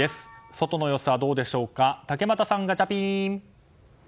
外の様子はどうでしょうか竹俣さん、ガチャピン。